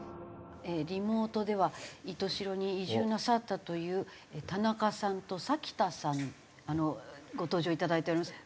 リモートでは石徹白に移住なさったという田中さんと田さんご登場いただいております。